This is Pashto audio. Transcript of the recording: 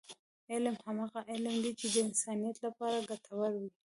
علم هماغه علم دی، چې د انسانیت لپاره ګټور وي.